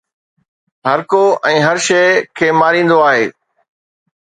هرڪو ۽ هر شيء کي ماريندو آهي